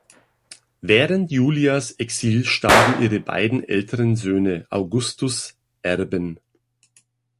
Während Iulias Exil starben ihre beiden älteren Söhne, Augustus’ Erben.